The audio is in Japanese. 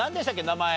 名前。